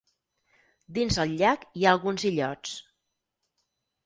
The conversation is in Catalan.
Dins el llac hi ha alguns illots.